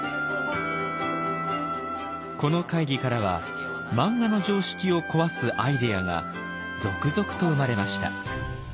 この会議からは漫画の常識を壊すアイデアが続々と生まれました。